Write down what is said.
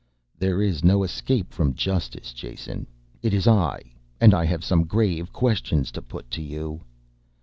"There is no escape from justice, Jason. It is I, and I have some grave questions to put to you."